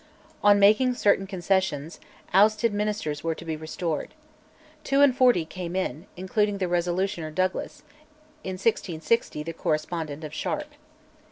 On making certain concessions, outed ministers were to be restored. Two and forty came in, including the Resolutioner Douglas, in 1660 the correspondent of Sharp.